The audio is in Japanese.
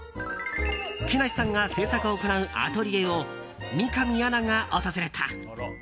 木梨さんが制作を行うアトリエを三上アナが訪れた。